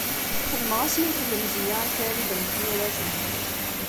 Xedmeɣ-as yiwet n lemzeyya i Farid n At Yiraten.